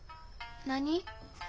何？